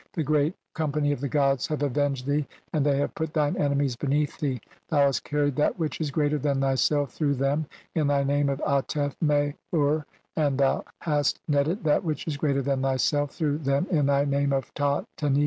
The Great Com "pany of the gods have avenged thee, and they "have put thine enemies beneath thee. Thou hast "carried that which is greater than thyself, through "them, (27) in thy name of 'Atef meh ur'; and thou "hast netted that which is greater than thyself, through "them, in thy name of 'Ta Teni'.